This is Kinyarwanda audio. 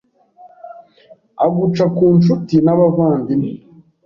Aguca ku nshuti n’abavandimwe